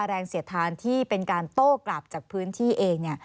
เสียดทานที่เป็นการโต้กลับจากพื้นที่เอง